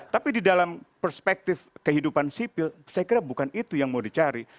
tapi di dalam perspektif kehidupan sipil saya kira bukan itu yang mau dicari